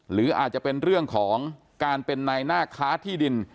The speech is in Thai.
หรืออาจจะเป็นเรื่องของการเป็นในหน้าค้าที่ดิน